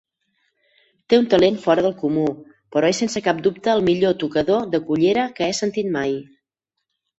Té un talent fora del comú, però és sense cap dubte el millor tocador de cullera que he sentit mai.